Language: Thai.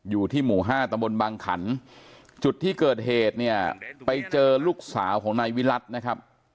อยู่ที่หมู่๕ตำบลบางขันจุดที่เกิดเหตุเนี่ยไปเจอลูกสาวของนายวิรัตินะครับ